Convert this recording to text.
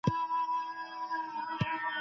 کمپيوټر يادګار ساتي.